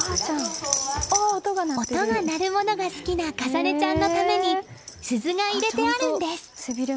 音が鳴るものが好きな華紗音ちゃんのために鈴が入れてあるんです。